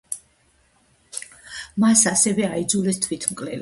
მას ასევე აიძულეს თვითმკვლელობა.